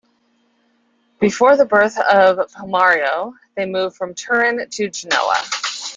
Before the birth of Palmiro they moved from Turin to Genoa.